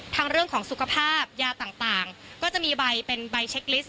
เรื่องของสุขภาพยาต่างก็จะมีใบเป็นใบเช็คลิสต